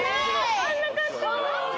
分かんなかった！